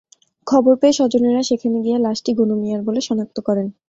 খবর পেয়ে স্বজনেরা সেখানে গিয়ে লাশটি গনু মিয়ার বলে শনাক্ত করেন।